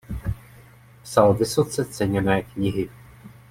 Psal vysoce ceněné knihy.